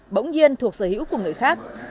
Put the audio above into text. bỗng nhiên thuộc sở hữu của người khác